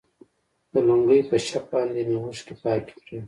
د لونګۍ په شف باندې مې اوښكې پاكې كړي.